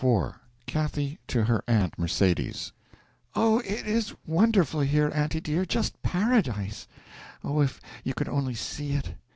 IV CATHY TO HER AUNT MERCEDES OH, it is wonderful here, aunty dear, just paradise! Oh, if you could only see it!